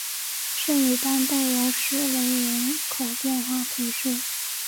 圣吕班代容什雷人口变化图示